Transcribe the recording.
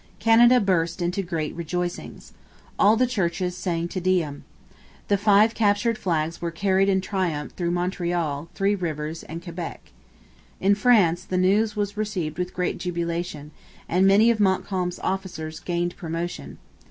Canada burst into great rejoicings. All the churches sang Te Deum. The five captured flags were carried in triumph through Montreal, Three Rivers, and Quebec. In France the news was received with great jubilation, and many of Montcalm's officers gained promotion.